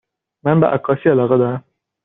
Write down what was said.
من به عکاسی علاقه دارم.